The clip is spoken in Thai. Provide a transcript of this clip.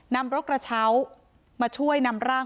นำรถกระเช้ามาช่วยนำร่าง